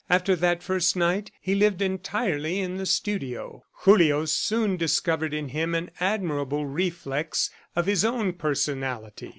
After that first night, he lived entirely in the studio. Julio soon discovered in him an admirable reflex of his own personality.